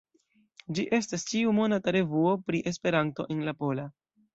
Ĝi estas ĉiu-monata revuo pri Esperanto en la pola.